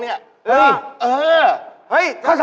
พี่โรย